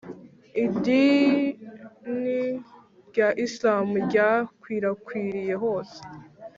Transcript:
idini rya isilamu ryakwirakwiriye hose